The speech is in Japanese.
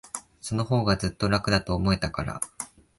そのほうが、ずっと楽だと思えたから。